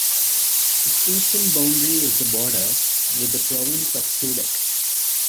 Its eastern boundary is the border with the province of Quebec.